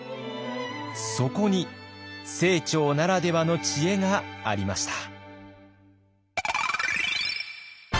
そこに清張ならではの知恵がありました。